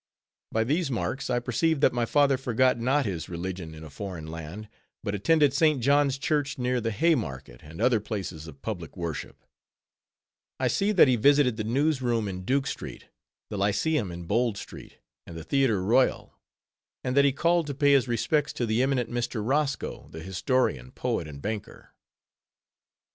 By these marks, I perceive that my father forgot not his religion in a foreign land; but attended St. John's Church near the Hay market, and other places of public worship: I see that he visited the News Room in Duke street, the Lyceum in Bold street, and the Theater Royal; and that he called to pay his respects to the eminent Mr. Roscoe, the historian, poet, and banker.